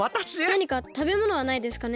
なにかたべものはないですかね？